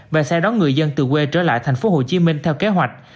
và xe đón người dân từ quê trở lại tp hcm theo kế hoạch